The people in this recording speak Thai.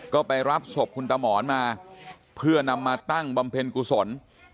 ก็ไปรับศพคุณตามหมอนมาเพื่อนำมาตั้งบำเพ็ญกุศล